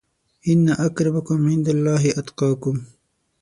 ان اکرمکم عندالله اتقاکم